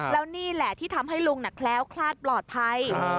แล้วนี่แหละที่ทำให้ลุงแคล้วคลาดปลอดภัย